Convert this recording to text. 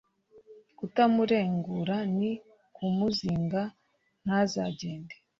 kutamurengura ni ukumuzinga ntazagende